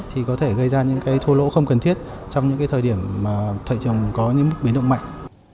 thì có thể gây ra những cái thua lỗ không cần thiết trong những cái thời điểm mà thị trường có những mức biến động mạnh